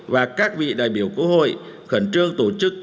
và các vị đại biểu quốc hội khẩn trương tổ chức